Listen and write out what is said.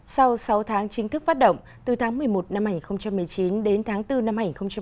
sau sáu tháng chính thức phát động từ tháng một mươi một năm hai nghìn một mươi chín đến tháng bốn năm hai nghìn hai mươi